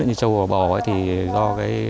như trâu bò thì do